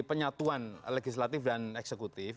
penyatuan legislatif dan eksekutif